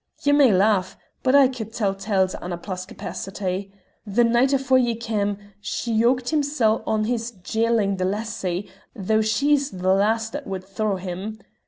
Ye may lauch, but I could tell tales o' Annapla's capacity. The night afore ye cam' she yoked himsel' on his jyling the lassie, though she's the last that wad thraw him.